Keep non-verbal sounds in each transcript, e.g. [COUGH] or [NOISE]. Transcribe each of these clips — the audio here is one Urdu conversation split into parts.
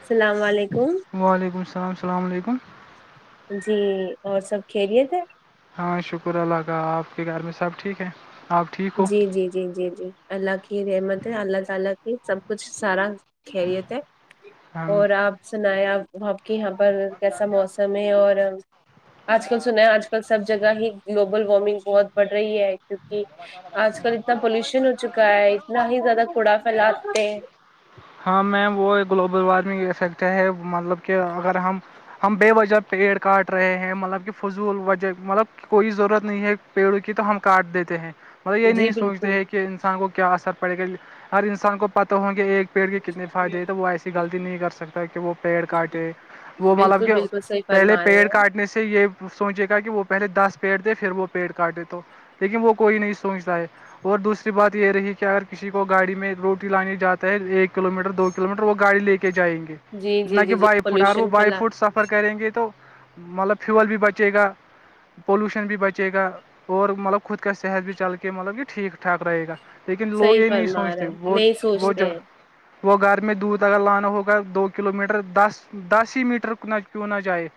السلام و علیکم وعلیکم السلام السلام علیکم جی اور سب کھیریے تھے ہاں شکر اللہ کا آپ کے گھر میں سب ٹھیک ہے آپ ٹھیک ہو جی جی جی جی جی [UNINTELLIGIBLE] ہم- اور آپ سنایا وہاں کہ یہاں پر کیسا موسم ہے اور آج کل سنا ہے آج کل سب جگہ ہی گلوبل وارمنگ بہت بڑھ رہی ہے کیونکہ آج کل اتنا پولوشن ہو چکا ہے اتنا ہی زیادہ کوڑا پھیلاتے ہیں ہاں میم وہ گلوبل وارمنگ ا سیکٹر ہے مطلب کہ اگر ہم ہم بے وجہ پیڑ کاٹ رہے ہیں مطلب کہ فضول وجہ مطلب کوئی ضرورت نہیں ہے پیڑوں کی تو ہم کاٹ دیتے ہیں مطلب یہ جی نہیں سوچتے بالکل ہیں کہ انسان کو کیا اثر پڑے گا ہگر انسان کو پت ہوں گے ایک پیڑ کے کتنے فائدے ہیں تو وہ ایسی غلطی نہیں کر سکتا کہ وہ پیڑ کاٹے وہ مطلب کہ بالکل بالکل صحیح پہلے فرما رہے پیڑ ہیں آپ۔ کاٹنے سے یہ سوچے گا کہ وہ پہلے دس پیڑ دے پھر وہ پیڑ کاٹے تو لیکن وہ کوئی نہیں سوچتا ہے اور دوسری بات یہ رہی کہ اگر کسی کو گاڑی میں روٹی لانے جاتا ہے ایک کلو میٹر دو کی و میٹر وہ گاڑی لے کے جائیں جی جی گےتنا کہ جی جی بائی فٹ ا وہ پولوشن بائی پھیلا فٹ سفر ر کریں گے تو مطلب فیول بھی بچے گا پولوشن بھی بچے گا اور مطلب خود کا صحت بھی چل کے مطلب یہ ٹھیک ٹھاک رہے گا لیکن لوگ صحیح یہ نہیں فرما رہے سوچتے ہیں، وہ نہیں وہ سوچتے ج ہیں وہ گھر میں دودھ اگر لانا ہوگا دو کلو میٹر دس دس ہی میٹر نہ کیوں نہ جاہائے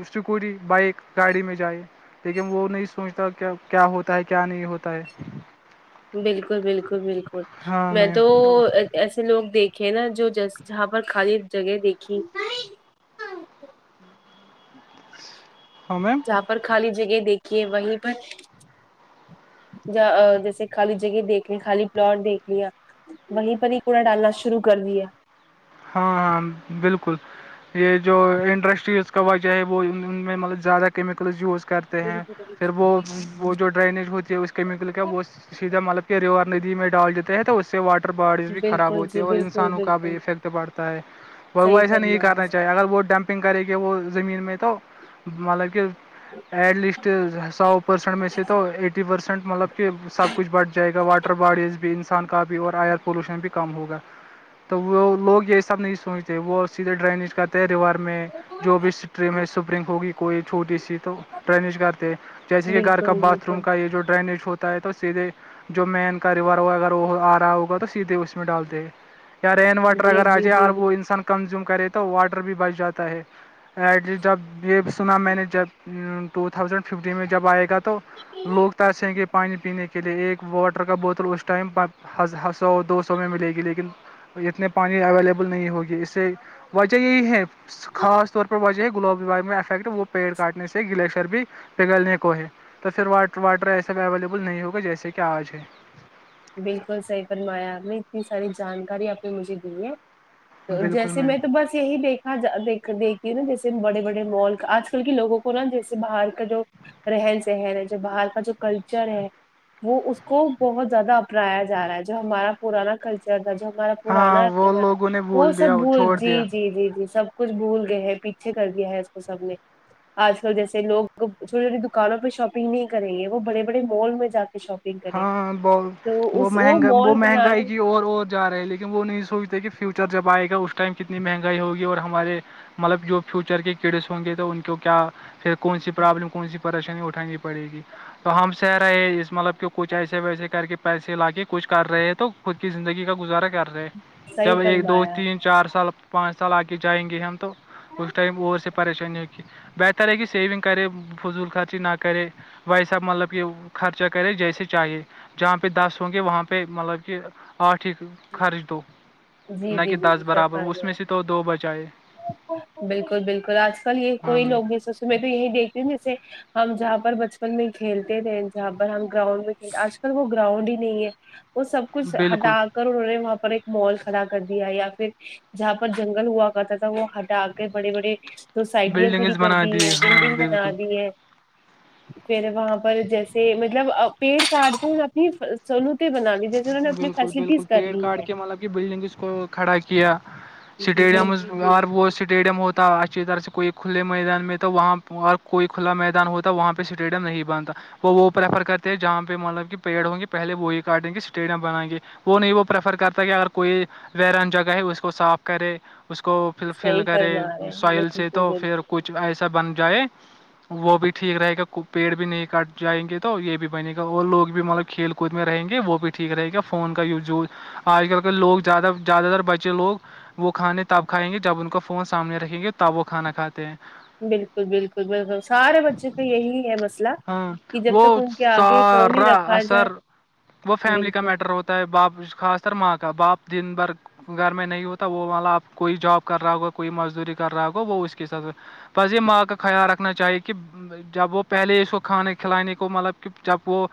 اسکوٹی بائک گاڑی میں جائے لیکن وہ نہیں سوچتا کہ کیا ہوتا ہے کیا نہیں ہوتا ہے بالکل بالکل بالکل ہاں میں میم تو ایسے لوگ دیکھے نا جو جس جہاں پر خالی جگہ دیکھی ہاں میم جہاں پر خالی جگہ دیکھیے وہیں پر یا جیسے خالی جگہ دیکھ لی خالی پلاٹ دیکھ لیا وہیں پر ہی کوڑا ڈالنا شروع کر دیا ہاں ہاں بالکل یہ جو انڈسٹریز کا وجہ ہے وہ ان میں مطلب زیادہ کیمیکلز یوز کر ہیں پھر وہ وہ جو ڈرینیج ہوتی ہے اس کیمیکل کیا وہ سیدھا مالک ریور ندی میں ڈال دیتے ہیں تو اس سے واٹر باڈیز بھی خراب بالکل ہوتی جی ہے اور بالکل انسانوں کا بھی بالکل افیکٹ پڑتا ہے اور وہ صحیح ایسا نہیں فرمایا کرنا چاہیے اگر وہ ڈمپنگ کرے گے وہ زمین میں تو تو مطلب کہہ ایٹ لیسٹ ہسا پرسینٹ میں سے تو ایٹی پرسینٹ مطلب کہ سب کچھ بڑھ جائے گا واٹر باڈیز بینس ان کا بھی اور ائر پولوشن بھی کم ہوگا تو وہ لوگ یہ سب نہیں سوچتے وہ سیدھے ڈرینیج کرتے ہیں ریور میں جو بھی اس سپرنگ ہوگی کوئی چھوٹی سی تو ڈریج کرتے جیسے یہ گھر کا بالکل باتھ روم بالکل کا یہ جو ڈرینیج ہوتا تو سیدھے جو مین کاروبار ہو اگر آ رہا ہوگا تو سیدھے اس میں ڈالتے ہیں یا رین واٹر جی اگر آ جی جی جائے وہ جی انسان کنزیوم کرے تو واٹر بھی بچ جاتا ہے ایٹ لیسٹ جب یہ سنا میں نے جب ٹو تھاؤزینڈ ففٹین میں جب آئے گا تو تو لوگ تو ایسے ہیں کہ پانی پینے کے لے ایک واٹر کا بوتل اس ٹائم سو دو سو میں ملے گی لیکن اتنے پانی اویلیبل نہیں ہوگی اس سے وجہ یہی ہے خاص طور پر وجہ ہے گلاب میں افیکٹ وہ پیڑ کاٹنے سے گلیشر بھی پگلنے کو ہے تو پھراٹ واٹر ایسے اویلیبل نہیں ہوگا جیسے کہ آج ہے بالکل صحیح فنمایا آپ نے اتنی ساری جانکاری آپ نے مجھے دی ہے تو بالکل جیسے میم میں تو بس یہی دیکھ ہاں دیک دیکھیے نا جیسے بڑے بڑے مال آج کل کے لوگوں کو نا جیسے باہر کا جو رہن سہن ہے جو باہر کا جو کلچر ہے وہ اس کو بہت زیادہ اپناایاا رہا ہے جو ہمارا پرانا کلچر تھا جو ہمارا پرانا ہاں وہ لوگوں نے وہ بول سب دیا ب چھوڑ جی دیا جی جی جی سب کچھ بھول گئے ہیں پیچھے کر دیا ہے اس کو سب نے آج کل جیسے لوگ چھوٹی چھوٹی دکانوں پہ شاپنگ نہیں کریں گے وہ بڑے بڑے مال میں جا کے شاپ ہاں ب وہ مہنگا وہ مال مہنگائی بنانے کی اور اور جا رہے ہیں لیکن وہ نہیں سوچتے کہ فیوچر جب آئے گا اس ٹائم کتنی مہنگائی ہوگی اور ہمارے مطلب جو فیوچر کے کیڈس ہوں گے تو ان کو کیا پھر کون سی پرابلم کون سی پریشانی اٹھانی پڑے گی تو ہم سےہ رہے ہیں اس مطلب کہ ایسے ویسے کر کے پیسے لا کے کچھ کر رہے تو خود کی زندگی کا گزارا کر تھ صحیح جب ایک دو فرمایا تین چار سال پانچ سال آ کے جائیں گے ہم تو تو اس ٹائم اور سے پریشانی ہو کی بیٹھ طرح کی سیونگ کرے فضول خرچی نہ کرے ویساب مطلب کہ خرچہ کرے جیسے چاہیے جہاں پہ دس ہوں گے وہاں پہ مطلب کہ آٹھ ہی خرچ دو جی نہ جی کہ جی دس جی سر برابر اس میں فرمایا سے تو دو بجائے بالکل بالکل آج کل یہ ہاں کوئی لوگ میم نہیں سو تو میں تو یہی دیکھتی ہوں جیسے ہم جہاں پر بچپن میں کھیلتے رہ جاں پر ہم گراؤنڈ میں کھی آج کل وہ گراؤنڈ ہی نہیں ہے وہ سب کچھ بالکل ہٹا انہوں نے وہاں پر ایک مال کھڑا کر دیا یا پھر جہاں پر جنگل ہوا کرتا تھا وہ ہٹا کے بڑے بڑے سوسائٹیا کھڑی بلڈنگز کر بنا دی ہے دیے ہاں بلڈنگ بنا بالکل دی ہے پھر وہاں پر جیسے مطلب پیڑ کاٹتے اپنی سنو تو بناان دی جیسے انہ نے اپنی بالکل فیسلٹیز بالکل کر پیڑ لی کاٹ ہیں کے مطلب کہ بلڈنگ اس کو کھڑا کیا جی جی اسٹیڈیم جی اور جی ب اسٹیڈیم ہوتا تھا اچھی طرح سے کوئی کھلے میدان میں تو وہاں اور کوئی کھلا میدان ہوتا وہاں پہ اسٹیڈیم نہیں بنتا وہ پریفر کرتے ہیں جہاں پہ مطلب کہ پیڑ ہوں گے پہلے وہی گارڈن کے اسٹیڈیم بنائیں گے وہ نہیں وہ پریفر کرتا کہ اگر کوئی ویرن جگہ ہے اس کو صاف کرے اس کو پھر فل صحیح کرے فرما رہے ہیں سوائل بالکل سے تو بالکل پھر کچھ ایسا بن جائے وہ بھی ٹھیک رہے گا پیڑ بھی نہیں کاٹ جائیں گے تو یہ بھی بنے گا اور لوگ بھی مطلب کھیل کود میں رہیں گے وہ بھی ٹھیک رہے گا فون کا یوز یوز آج کل کے لوگ زیادہ زیادہ تر بچے لوگ وہ کھانے تب کھائیں گے جب ان کو فون سامنے رکھیں گے تب وہ کھانا کھاتے ہیں بالکل بالکل بالکل سارے بچے کا یہی ہے مسئلہ ہاں کہ جب تک وہ ان کے آگے فون ہی سارا رکھا جائے اثر وہ فیملی کا بالکل میٹر ہوتا ہے باپ خاص تر ماں کا باپ دن بھر گھر میں نہیں ہوتا وہ مطلب آپ کوئی جاب کر رہا ہوگا کوئی مزدوری کر رہا ہوگا وہ اس کے ساتھ پزے یہ ماںغ کا خیال رکھنا چاہیے کہ جب وہ پہلے سو کھانے کھلانے کو مطلب کہ جب وہ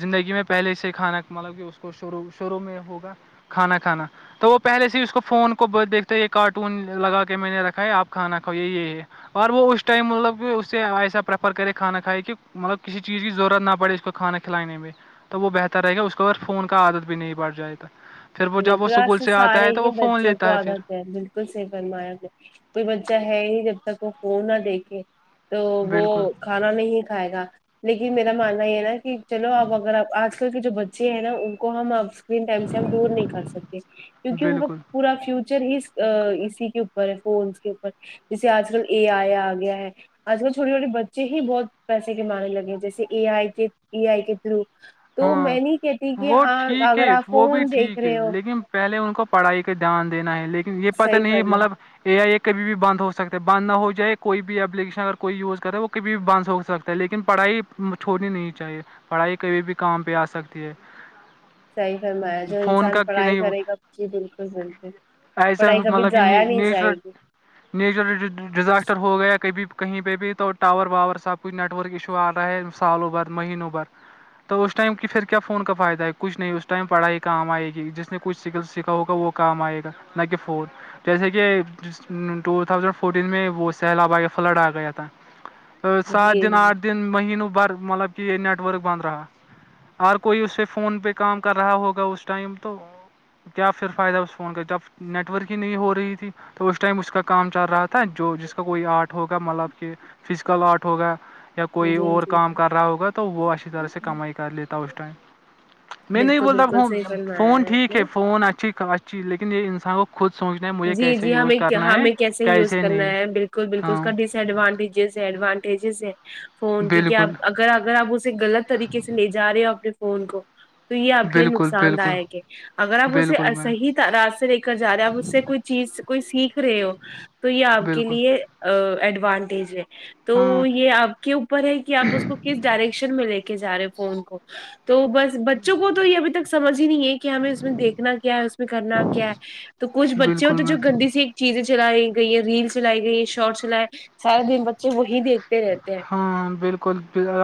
زندگی میں پہلے سے کھانا مطلب کہ اس کو شرو شروع میں ہوگا کھانا کھانا تو وہ پہلے سے ہی اس کو فون کو دیکھتے یہ کارٹون لگا کے میں نے رکھا ہے آپ کھانا کھو یہ ہے اور وہ اس ٹائم مطلب کہ اسے ایسا پریفر کرے کھانا کھائے کہ مطلب کسی چیز کی ضرورت نہ پڑے اس کو کھانا کھلانے میں تو وہ بہتر رہ گا اس کو ا فون کا عادت بھی نہیں بڑھ جائے گا پھر وہ جب وہ بالکل آج اسکول سے آتا سارے ہے تو ہی وہ فون بچوں لیتا کو ہے پھر عادت بالکل صی فرمایا ہے کوئی بچہ ہے ہی جب تک وہ فون نہ دیکھے تو وہ بالکل کھانا نہیں کھائے گا لیکن میرا ماننا یہ نا کہ چلو اپ اگر آج کل کے جو بچے ہیں نا ان کو ہم آ اسکرین سےم دور نہیں کر سکتے کیونکہ ان کا بالکل پورا فیوچر اس اسی کے اوپر ہے فونس کے اوپر جیسے آج کل ا آیا آ گیا ہے آج کل چھوٹے چھوے بچے ہی بہت پیسے کےمانے لگے ہیں جیسے اے آئی کے ای آئی کے تھرو تو ہاں میں نہیں کہتی کہ وہ ہاں ٹھیک ہے اگر آپ وہ بھی فون سے ٹھیک لیکن پہلے ان کو پڑھائی کا دھیان دینا ہے لیکن یہ پت صحیح نہیں فرما مطلب یہیا یہ کبھی بھی بند ہوک ہے بند نہ ہو جائے کوئی بھی اپلیکیشن اگر کوئی یوز کرے وہ کبھی بھی بند ہو سکتا لیکن پڑھائی چھوڑنی نہیں چاہیے پڑھائی کبھی بھی کام پہ آ سکتی ہے صحی فرمایا جو فون انسان کا کہ پڑھائی نہیں کرے گا جی بالکل بالکل ایسا پڑھائی کبھی مطلب کہ جایا نہیں جائے نیچرل گی نیچرل ڈیزاسٹر ہو گیا کبھی کہیں پہ بھی تو ٹاور واور سب کوچئی نیٹ ورک ایشو آ رہا ہے سالوں بھر مہینوں بھر تو اس ٹائم کی پھر کیا فون کا فائدہ ہے کچھ نہیں اس ٹائم پڑھائی کام آئے گی جس نے کچھ سکل سیکھا ہوگا وہ کام آئے گا نہ کہ فون جیسے کہ ٹو تھازینڈ فورٹین میں وہ سیلاب آ گیا فلڈ آ گیا تھا سات دن جی آٹھ دن مہینوں بھر مطلب کہ یہ نیٹ ورک بند رہا اور کوئی اس سے فون پہ کام کر رہا ہوگا اس ٹائم تو کیا پھر فائدہ اس فون کا جب نیٹ ورک ہی نہیں ہو رہی تھی تو اس ٹائم اس کا کام چل رہا تھا جو جس کا کوئی آرٹ ہوگا مطلب کہ فزیکل آرٹ ہو گیا یا کوئی جی اور جی کام جی کر رہا ہوگا تو وہ اچھی طرح سے کمائی کر لیتا اس ٹائم میں نہیں بالکل بولتا بالکل ہ صحیح فرمایا فون آپ ٹھیک ہے نے فون اچھی اچھی لیکن یہ انسانوں کو خود سمچنے جی جی ہمیں ہمیں کیسے ہی یوز کرنا نہیں ہے بالکل بالکل اس ہاں کا ڈس ایڈوانٹیجز ہے ایڈوانٹیجز ہے فون کی کیا بالکل اگر اگر آپ اسے غلط طریقے سے لے جا رہے ہو اپنے فون کو تو یہ آپ کے لیے بالکل نقصان بالکل داک ہے اگر آپ اسے بالکل میم صحیح رااز سے لے کر جا رہے ہیں آپ اس سے کوئی چیز کوئی سیکھ رہے ہو تو یہ آپ کے بالکل لیے ایڈوانٹیج ہے تو ہاں یہ اب [UNINTELLIGIBLE] کے اوپر ہے کہ آپ اس کو کس ڈائریکشن میں لے کے جا رہے فون کو تو بس بچوں کو تو یہ ابھی تک سمجھ ہی نہیں ہے کہ ہمیں اس میں دیکھنا کیا ہے اس میں کرنا کیا ہے تو کچھ بچے ہو بالکل تو جو میم گندی سی چیزیں چلائی گئی ہیں ریل چلائی گئی شارٹ چلائے سارے دن بچے وہی دیکھتے رہتے ہیں ہاں ہ بالکل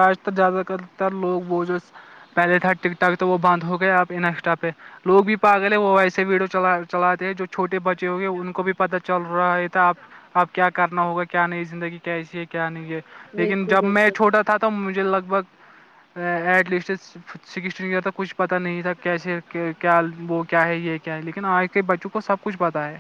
آج ت زیادہ تر تر لوگ بوجھو پہلے تھا ٹک ٹک تو وہ بند ہو گیا اب انسٹا پہ لوگ بھی پاگل ہے وہ ایسے ویڈیو چ چلاتے ہیں جو چھٹے بچے ہو گئے ان کو بھی پتا چل رہا ہے تھا آ اب کیا کرنا ہوگا کیا نہیں زندگی کیسی ہے کیا نہیں ہے لیکن بالکل جب میں بالکل چھوٹا تھا توم مجھے لگ بگ ایٹ لسٹس سکسٹین ایئر تک کچھ پتہ نہیں تھا کیسے کیا وہ کیا ہے یہ کیا ہے لیکن آج کے بچوں کو آ کو سب کچھ پت ہے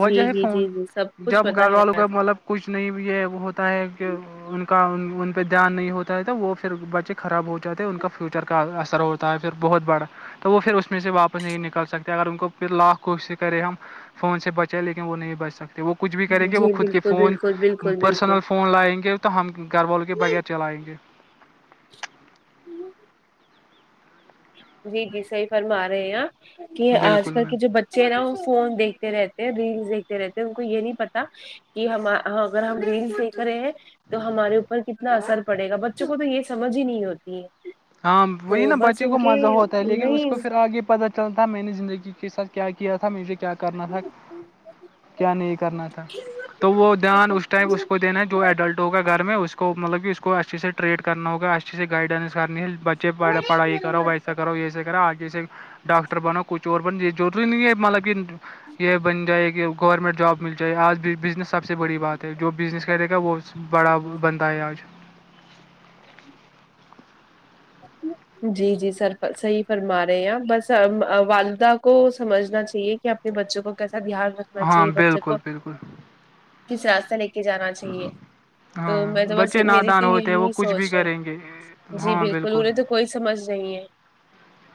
جی ہے جی جی فون جی سب کچھ جب پتا گھر ہے والوں کا مطلب کچھ نہیں یہ ہوتا ہے کہ ان کا ان پہ دھیان نہیں ہوتا ہے تو وہ پھر بچے خراب ہو جاتے ہیں ان کا فیوچر کا اثر ہوتا پھر بہت بڑا تو وہ پھر اس میں سے واپس نہیں نکل سکتے اگر ان کو پھر لاکھ کوشش کرے ہم فون سے بچے لیکن وہ نہیں بچ سکتے وہ کچھ بھی کریں گے جی وہ خود کے بالکل فون بالکل بالکل بالکل پرسنل فون لائیں گے تو ہم گھر والوں کے بغیر چلائیں گے ھمم جی جی صحیح فرما رہے ہیں آ کہ آج بالکل کل میم کے جو بچ چہرا وہ فون دیکھتے رہتے ہیں ریلس دیکھتے رہتے ہیں ان کو یہ نہیں پتا کہ ہم اگر ہم ریل سے کرے ہیں تو ہمارے اوپر کتنا اثر پڑے گا بچوں کو تو یہ سمجھ ہی نہیں ہوتی ہے ہاں وہی تو نا بس بچے ان کو کے مزہ ہوتا ہے لیکن اس کو پھر نہیں آگے یہ پت چل تھا میں نے زندگی کے ساتھ کیا کیا تھا مجھے کیا کرنا تھا کیا نہیں کرنا تھا جی تو وہ دھیان اس ٹائم اس کو دینا ہے جو ایڈلٹ ہوگا گھر میں اس کو مطلب کہ اس کو اچھ سے ٹریٹ کرنا ہوگا اچھھی سے گائیڈنس کرنی بچ پڑھائی کرو ویسا کرو یہیسے کرو آگ جیسے ڈاکٹر بناو کچھ اور بن یہ ضروری نہیں ہے مطلب کہ یہ بن جائے کہ گورنمنٹ جاب مل جائے آ بھی بزنس سب سے بڑی بات ہے جو بزنس کرے گا وہ بڑا بنندتا ہے آج ہٹ [INAUDIBLE] ج [INAUDIBLE] جی جی سر صحیح فرما رہے ہیں بس والدہ کو سمجھنا چاہیے کہ آپ بچوں کو کیسا دھیان ر ہاں بالکل بالکل کس راسہ لے کے جانا چاہیے تو ہاں میں تو بس بچے میری نادان تو ہوتے ہیں وہ یہی کچھ بھی سوچ ہے کریں گے جی بالکل ضوری تو کوئی سمج نہیں ہے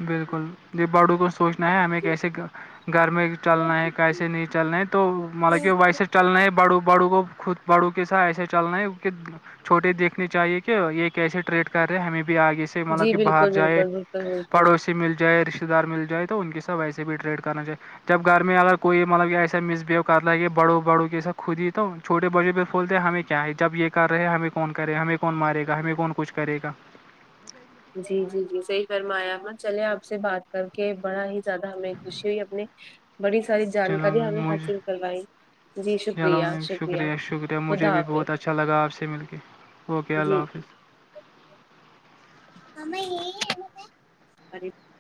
بالکل یہ بڑوں کو سوچنا ہے ہمیں کیسے گھر میں چلنا ہے کیس نہیں چل رہ تو مطلب کہ ویسے چلنا ہیں بڑو بڑوں کو خود بڑو کے ساتھ ایسے چلنا ہے کی کہہ چھٹے دیکھنی چاہیے کہ یہ کیسے ٹریڈ کر رہے ہیں ہمیں بھی آگے سے مطلب کہ باہر جائے کوئی کوئی پڑوسی مل جائے رشتے دار مل جائے تو ان کے ساتھ وسے بھی ٹریڈ کرنا چائےے جب گھر میں اگر کوئی مطلب ایساسہیو کر لگے بڑو بڑو کیسا خود ہی تو چھوٹے بڑچے پہ کھولتے ہیں ہمیں کیا ہے جب یہ کر رہے ہیں ہمیں کون کر رہے ہمیں کون مارے گا ہمیں کون کچھ کرے گا جی جی جی صحیح فرمایا امت چلے آپ سے بات کر کے بڑا ہی زیادہ ہمیں خوشی ہوئی اپنے بڑی ساری چلو جانکاری میں ہمیں مجھ حاصل کروائی جی چلو شکریہ میم شکریہ شکریہ مجھے خدا بھی بہت حافظ اچھا لگا آپ سے مل کے اوکے اللہ جی حافظ ہم میں یہ [UNINTELLIGIBLE]